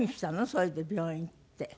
それで病院行って。